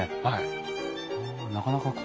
はい。